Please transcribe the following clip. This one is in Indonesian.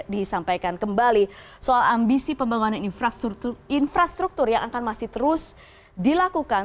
disampaikan kembali soal ambisi pembangunan infrastruktur yang akan masih terus dilakukan